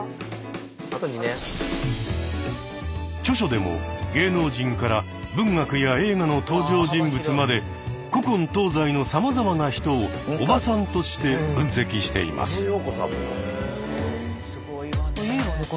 著書でも芸能人から文学や映画の登場人物まで古今東西のさまざまな人を「おばさん」として分析しています。